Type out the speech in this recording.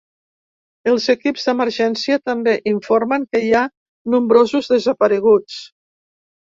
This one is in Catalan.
Els equips d’emergència també informen que hi ha nombrosos desapareguts.